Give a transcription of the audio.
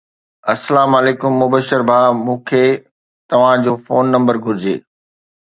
السلام عليڪم مبشر ڀاءُ مون کي توهان جو فون نمبر گهرجي